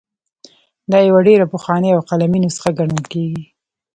دا یوه ډېره پخوانۍ او قلمي نسخه ګڼل کیږي.